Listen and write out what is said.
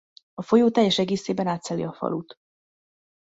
A folyó teljes egészében átszeli a falut.